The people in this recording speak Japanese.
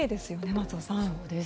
松尾さん。